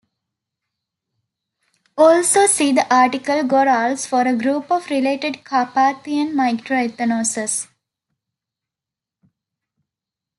Also see the article Gorals for a group of related Carpathian microethnoses.